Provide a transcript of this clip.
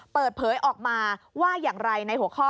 เปิดเผยออกมาว่าอย่างไรในหัวข้อ